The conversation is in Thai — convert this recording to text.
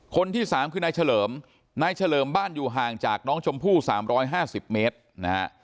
คนที่๓คือนายเฉลิมนายเฉลิมบ้านอยู่ห่างจากน้องชมพู่๓๕๐เมตรนะฮะ